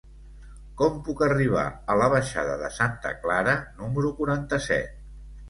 Com puc arribar a la baixada de Santa Clara número quaranta-set?